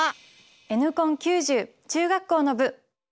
「Ｎコン９０」中学校の部。